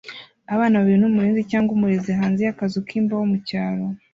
Abana babiri n'umurinzi cyangwa umurezi hanze y'akazu k'imbaho mu cyaro